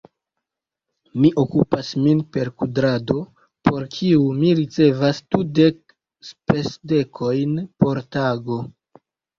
Mi okupas min per kudrado, por kiu mi ricevas dudek spesdekojn por tago.